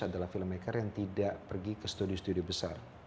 adalah filmmaker yang tidak pergi ke studio studio besar